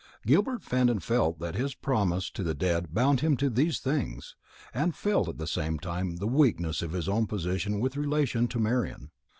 Gilbert Fenton felt that his promise to the dead bound him to do these things, and felt at the same time the weakness of his own position with relation to Marian.